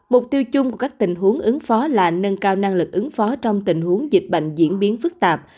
mục tiêu chung của các tình huống ứng phó là nâng cao năng lực ứng phó trong tình huống dịch bệnh diễn biến phức tạp